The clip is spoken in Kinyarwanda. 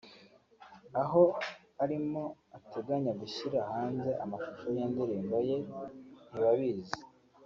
aho arimo ateganya gushyira hanze amashusho y’indirimbo ye ‘Ntibabizi’